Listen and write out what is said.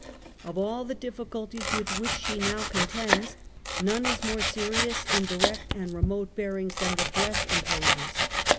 Of all the difiiculties with which she now contends, none is more serious in direct and remote bearings than the dress imposes.